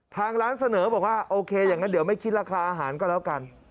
ทางร้านเสนอบอกว่าโอเคอย่างนั้นเดี๋ยวไม่คิดราคาอาหารก็แล้วกัน